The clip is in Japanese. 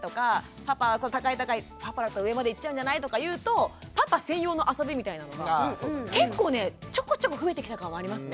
パパはこう高い高いパパだと上までいっちゃうんじゃない？とか言うとパパ専用の遊びみたいなのが結構ねちょこちょこ増えてきた感はありますね。